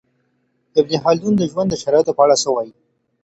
ابن خلدون د ژوند د شرایطو په اړه څه وايي؟